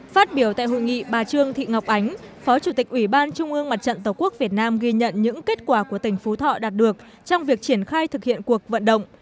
phát biểu tại hội nghị bà trương thị ngọc ánh phó chủ tịch ủy ban trung ương mặt trận tổ quốc việt nam ghi nhận những kết quả của tỉnh phú thọ đạt được trong việc triển khai thực hiện cuộc vận động